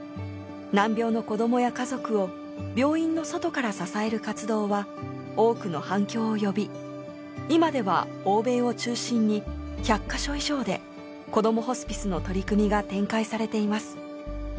難病の子どもや家族を病院の外から支える活動は多くの反響を呼び今では欧米を中心に１００カ所以上でこどもホスピスの取り組みが展開されています。